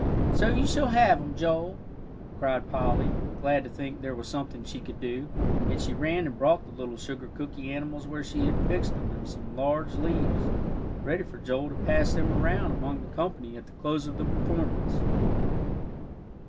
"So you shall have 'em, Joel," cried Polly, glad to think there was something she could do, and she ran and brought the little sugar cooky animals where she had fixed them in some large leaves ready for Joel to pass them around among the company at the close of the performance.